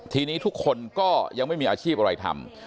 ทีนี้ทุกคนก็ยังไม่มีอาชีพอะไรทำ